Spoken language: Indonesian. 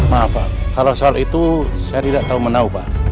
maaf pak kalau soal itu saya tidak tahu menau pak